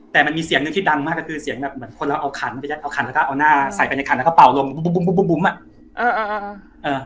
แต่มันมีเสียงหนึ่งที่ดังมากก็คือเสียงแบบเหมือนคนเราเอาขันพี่แจ๊เอาขันแล้วก็เอาหน้าใส่ไปในขันแล้วก็เป่าลงบุ๋มอ่ะ